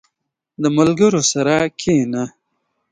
• د ملګرو سره کښېنه.